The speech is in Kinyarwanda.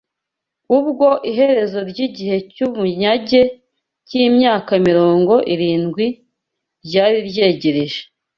Ubwo iherezo ry’igihe cy’ubunyage cy’imyaka mirongo irindwi ryari ryegereje